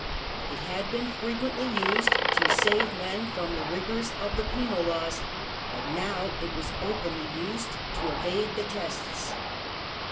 It had been frequently used to save men from the rigours of the penal laws; but^ now it was to be openly used to evade the Tests.